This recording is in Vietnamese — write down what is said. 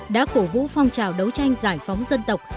đã cổ vũ phong trào đấu tranh giải phóng dân tộc